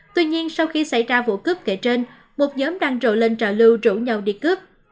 tuy nhiên sau khi xảy ra vụ cướp kể trên một nhóm đang rộ lên trà lưu rủ nhau đi cướp